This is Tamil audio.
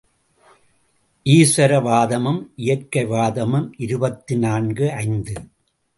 ஈஸ்வர வாதமும் இயற்கை வாதமும் இருபத்து நான்கு ஐந்து.